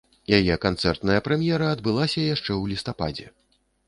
Яе канцэртная прэм'ера адбылася яшчэ ў лістападзе.